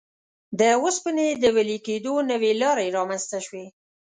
د اوسپنې د وېلې کېدو نوې لارې رامنځته شوې.